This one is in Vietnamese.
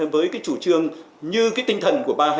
với cái chủ trương như cái tinh thần của ba